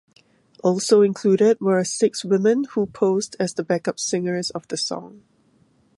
Also included were six women who posed as the back-up singers of the song.